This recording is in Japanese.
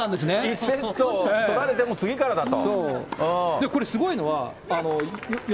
１セット取られても次からだと。